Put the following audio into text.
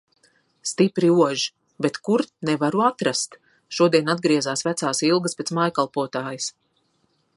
Stipri ož. Bet kur - nevaru atrast. Šodien atgriezās vecās ilgas pēc mājkalpotājas.